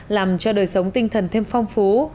làm cho đời sống tinh thần thêm phong phú